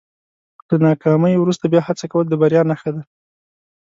له ناکامۍ وروسته بیا هڅه کول د بریا نښه ده.